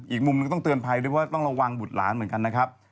อีกมุมหนึ่งต้องเตือนภัยด้วยว่าต้องระวังบุตรหลานเหมือนกันนะครับ